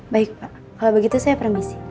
baik pak kalau begitu saya permisi